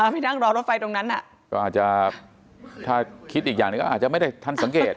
ไปนั่งรอรถไฟตรงนั้นก็อาจจะถ้าคิดอีกอย่างหนึ่งก็อาจจะไม่ได้ทันสังเกต